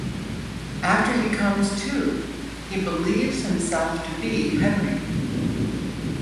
After he comes to, he believes himself to be Henry.